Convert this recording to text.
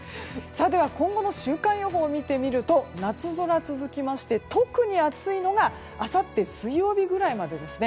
では、今後の週間予報を見てみると夏空続きまして、特に暑いのがあさって水曜日ぐらいまでですね。